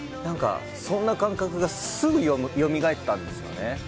そんな感覚がすぐよみがえったんですよね。